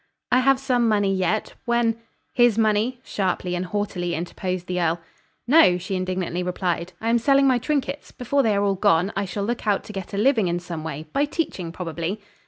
"I have some money yet. When " "His money?" sharply and haughtily interposed the earl. "No," she indignantly replied. "I am selling my trinkets. Before they are all gone, I shall look out to get a living in some way; by teaching, probably."